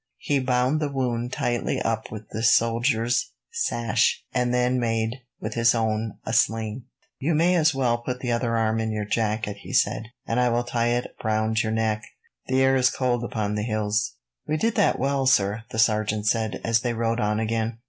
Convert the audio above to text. He bound the wound tightly up with the soldier's sash; and then made, with his own, a sling. "You may as well put the other arm in your jacket," he said, "and I will tie it round your neck. The air is cold upon the hills." "We did that well, sir," the sergeant said, as they rode on again.